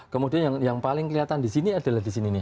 kemudian yang paling kelihatan di sini adalah di sini nih